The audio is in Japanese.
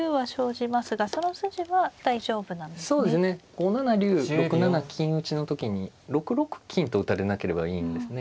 ５七竜６七金打の時に６六金と打たれなければいいんですね。